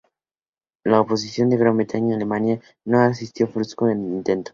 La oposición de Gran Bretaña y Alemania, que no asistió, frustró el intento.